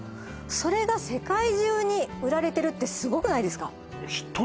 それが世界中に売られてるってすごくないですか？